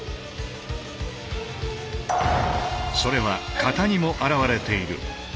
それは形にも表れている。